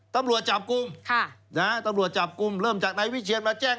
ตำรวจจับกลุ่มตำรวจจับกลุ่มเริ่มจากนายวิเชียนมาแจ้ง